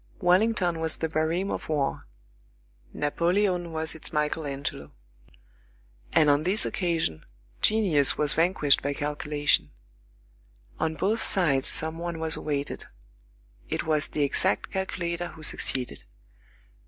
Wellington was the Barême of war; Napoleon was its Michael Angelo; and on this occasion, genius was vanquished by calculation. On both sides some one was awaited. It was the exact calculator who succeeded.